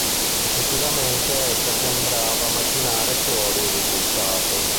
Effettivamente essa sembrava "macinare fuori" il risultato.